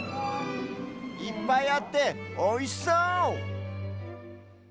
いっぱいあっておいしそう！